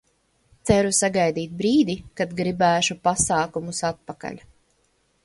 Ceru sagaidīt brīdi, kad gribēšu pasākumus atpakaļ.